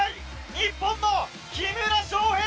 日本の木村昌平